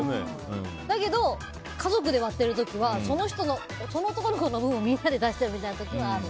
だけど、家族で割っている時はその男の子の分を、みんなで出してるみたいなことはある。